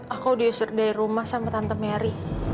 aku diusir dari rumah sama tante mary